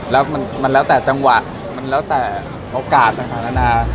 แล้วมันแล้วแต่จังหวะมันแล้วแต่โอกาสต่างนานา